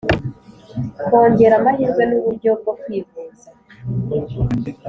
kongera amahirwe n'uburyo bwo kwivuza: